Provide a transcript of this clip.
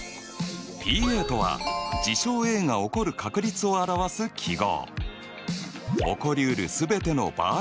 Ｐとは事象Ａが起こる確率を表す記号。